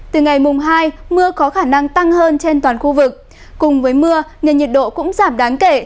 từ ngày mùng hai mưa có khả năng tăng hơn trên toàn khu vực cùng với mưa nền nhiệt độ cũng giảm đáng kể